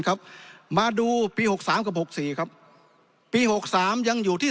ครับมาดูปีหกสามกับหกสี่ครับปีหกสามยังอยู่ที่